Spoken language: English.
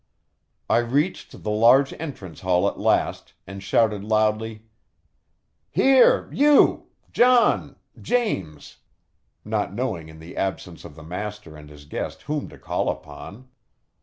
I reached the large entrance hall at last, and shouted loudly "Here, you! John, James!" not knowing in the absence of the master and his guest whom to call upon.